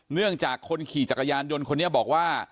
เนื่องจากคนขี่จักรยานยนต์คนนี้บอกว่า